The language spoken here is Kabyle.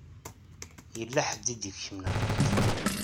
Yella ḥedd i d-ikecmen ar daki.